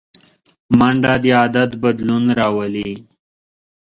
منډه د عادت بدلون راولي